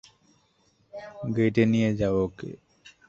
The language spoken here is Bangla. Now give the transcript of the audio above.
গেটে নিয়ে যাও ওকে।